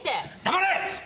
黙れ！